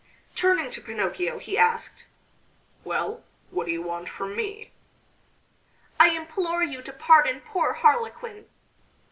Turning to Pinocchio he asked: "Well, what do you want from me?" "I implore you to pardon poor Harlequin."